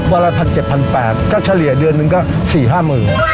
วันละพันเจ็ดพันแปดก็เฉลี่ยเดือนนึงก็สี่ห้าหมื่น